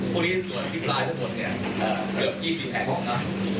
พวกนี้ส่วนสิบลายทั้งหมดเนี้ยเอ่อเกือบยี่สิบแผ่งออกนะครับ